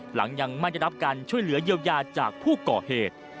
หลังยังไม่ได้รับการช่วยเหลือเยียวยาจากผู้ก่อเหตุ